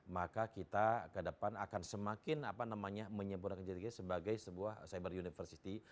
maka kita ke depan akan semakin apa namanya menyempurnakan jati dirinya sebagai sebuah cyber university